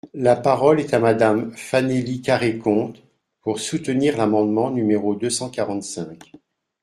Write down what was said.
La parole est à Madame Fanélie Carrey-Conte, pour soutenir l’amendement numéro deux cent quarante-cinq.